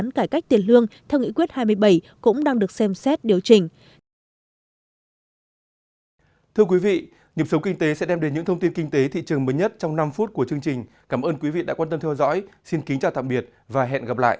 những cải cách tiền lương theo nghị quyết hai mươi bảy cũng đang được xem xét điều chỉnh